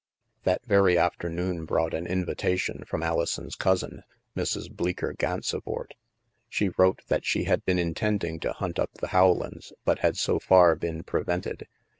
That very afternoon brought an invitation from Alison's cousin, Mrs. Bleecker Gansevoort. She wrote that she had been intending to hunt up the Rowlands, but had so far been prevented.